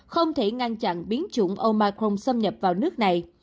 không thể ngăn chặn biến trụng omicron xâm nhập vào nước này